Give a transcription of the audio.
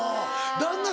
旦那